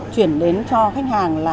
chuyển đến cho khách hàng là